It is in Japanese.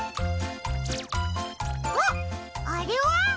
あっあれは？